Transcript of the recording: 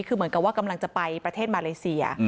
คือเหมือนกับว่ากำลังจะไปประเทศมาเลเซีย